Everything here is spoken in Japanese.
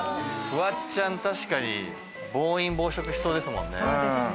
フワちゃん、確かに暴飲暴食しそうですもんね。